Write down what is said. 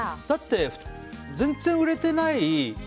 だって、全然売れてない